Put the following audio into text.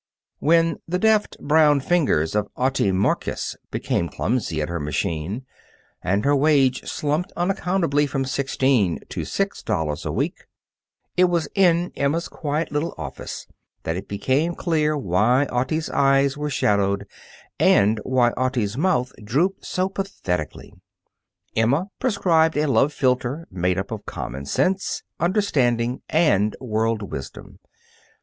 When the deft, brown fingers of Otti Markis became clumsy at her machine, and her wage slumped unaccountably from sixteen to six dollars a week, it was in Emma's quiet little office that it became clear why Otti's eyes were shadowed and why Otti's mouth drooped so pathetically. Emma prescribed a love philter made up of common sense, understanding, and world wisdom.